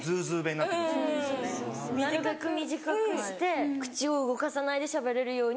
なるべく短くして口を動かさないでしゃべれるように。